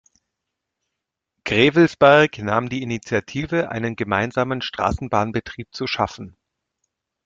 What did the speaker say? Gevelsberg nahm die Initiative, einen gemeinsamen Straßenbahnbetrieb zu schaffen.